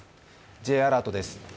Ｊアラートです。